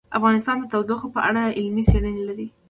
افغانستان د تودوخه په اړه علمي څېړنې لري.